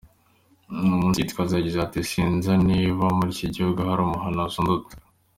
Uwo munsi Gitwaza yagize ati: “Sinzi niba muri iki gihugu hari umuhanuzi unduta.